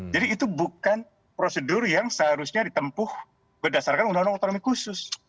itu bukan prosedur yang seharusnya ditempuh berdasarkan undang undang otonomi khusus